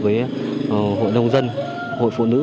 với hội nông dân hội phụ nữ